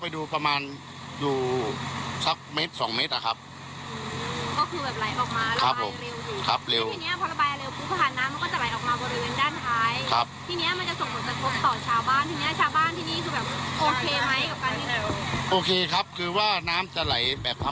ในชาบ้านเขารับได้ใช่ไหมใช่ไหมครับ